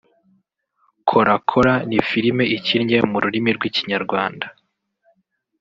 Chora chora ni filime ikinnye mu rurimi rw’ikinyarwanda